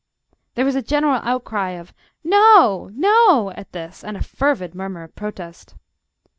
There was a general outcry of "No, no!" at this, and a fervid murmur of protest.